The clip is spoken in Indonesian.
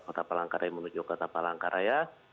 kota palangkaraya menuju kota palangkaraya